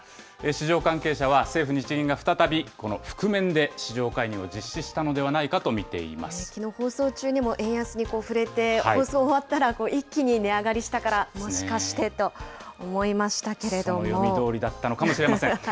市場関係者は、政府・日銀が再び、この覆面で市場介入を実施したのではないかときのう、放送中にも円安に振れて、放送終わったら一気に値上がりしたから、その読みどおりだったのかもしれません。